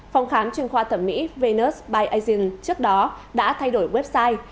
phòng khám chuyên khoa thẩm mỹ venus by aizen trước đó đã thay đổi website